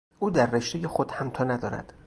او در رشتهی خود همتا ندارد.